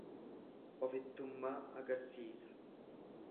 Ofittummaa agarsiisa.